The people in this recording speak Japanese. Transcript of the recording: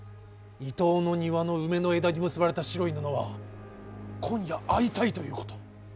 伊東の庭の梅の枝に結ばれた白い布は今夜会いたいということ。